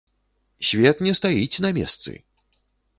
Свет не стаіць на месцы!